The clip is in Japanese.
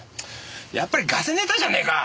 やっぱりガセネタじゃねえか！